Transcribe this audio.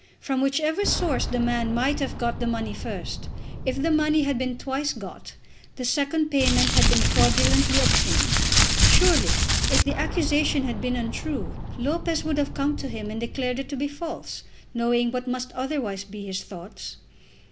From whichever source the man might have got the money first, if the money had been twice got, the second payment had been fraudulently obtained. Surely if the accusation had been untrue Lopez would have come to him and declared it to be false, knowing what must otherwise be his thoughts.